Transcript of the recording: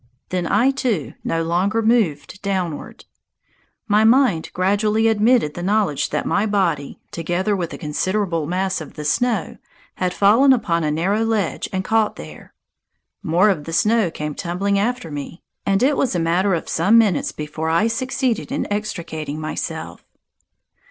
Then I, too, no longer moved downward; my mind gradually admitted the knowledge that my body, together with a considerable mass of the snow, had fallen upon a narrow ledge and caught there. More of the snow came tumbling after me, and it was a matter of some minutes before I succeeded in extricating myself.